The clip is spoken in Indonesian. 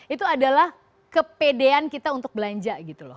itu adalah kepedean kita untuk belanja